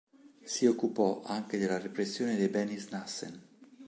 Si occupò anche della repressione dei Beni-Snassen.